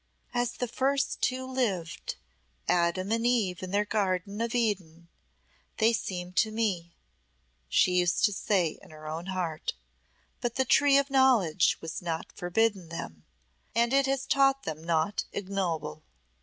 "As the first two lived Adam and Eve in their garden of Eden they seem to me," she used to say to her own heart; "but the Tree of Knowledge was not forbidden them, and it has taught them naught ignoble."